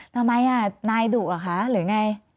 ทำไมนายดุเหรอคะหรือไง